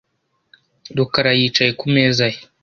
rukara yicaye ku meza ye .